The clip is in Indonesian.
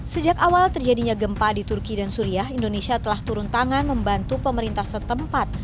sejak awal terjadinya gempa di turki dan suriah indonesia telah turun tangan membantu pemerintah setempat